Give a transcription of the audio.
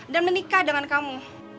dan menikah dengan kamu